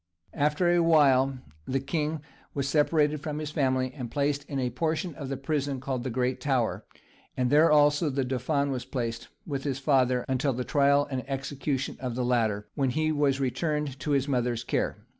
After a while the king was separated from his family, and placed in a portion of the prison called the Great Tower, and there also the dauphin was placed, with his father, until the trial and execution of the latter, when he was returned to his mother's care.